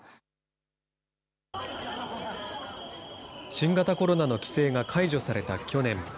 新型コロナの規制が解除された去年。